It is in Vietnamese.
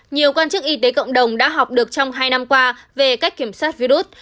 nhiều quan chức y tế cộng đồng đã học được trong hai năm qua về cách kiểm soát virus